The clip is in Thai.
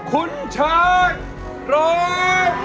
คุณเชิญร้อน